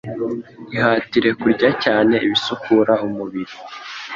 Ihatire kurya cyane ibisukura umubiri